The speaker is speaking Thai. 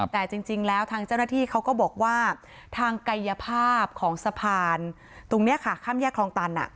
แต่จริงแล้วทางเจ้าหน้าที่เขาก็บอกว่าทางไกยภาพของสะพานตรงมะนี่ค่ะ